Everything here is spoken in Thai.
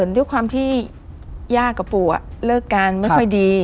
ด้วยความที่ย่ากับปู่เลิกกันไม่ค่อยดี